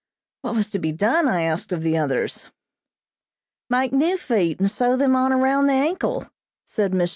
What was to be done, I asked of the others? "Make new feet, and sew them on around the ankle," said Miss J.